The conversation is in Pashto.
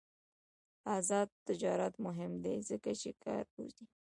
آزاد تجارت مهم دی ځکه چې کار روزي.